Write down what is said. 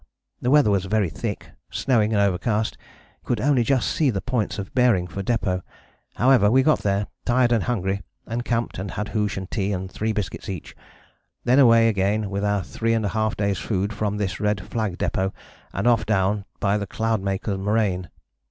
The weather was very thick, snowing and overcast, could only just see the points of bearing for depôt. However, we got there, tired and hungry, and camped and had hoosh and tea and 3 biscuits each. Then away again with our three and a half days' food from this red flag depôt and off down by the Cloudmaker moraine.